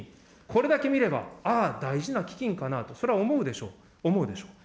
これだけ見れば、ああ、大事な基金かなと、それは思うでしょう、思うでしょう。